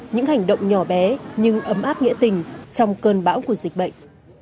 những hành động nhỏ bé nhưng ấm áp nghĩa tình trong cơn bão của dịch bệnh